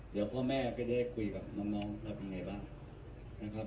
เดี๋ยวพ่อแม่ก็ได้คุยกับน้องน้องแล้วเป็นไงบ้างนะครับ